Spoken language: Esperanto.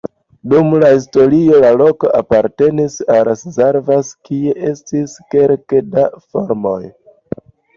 Dum la historio la loko apartenis al Szarvas, kie estis kelke da farmoj.